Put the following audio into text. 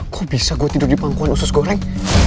kok bisa gue tidur di pangkuan usus goreng